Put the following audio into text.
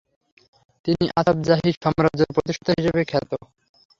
তিনি আসাফ জাহি সাম্রাজ্যের প্রতিষ্ঠাতা হিসেবে খ্যাত।